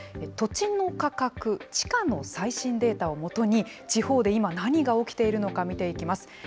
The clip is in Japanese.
土地の価格、地価の最新データを基に、地方で今、何が起きているのか見ていきます。